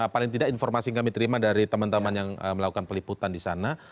paling tidak informasi yang kami terima dari teman teman yang melakukan peliputan di sana